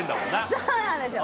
そうなんですよ。